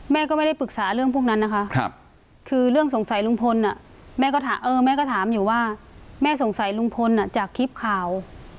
เมื่อแม่ก็ถามอยู่ว่าแม่สงสัยลุงพลอ่ะจากคลิปข่าว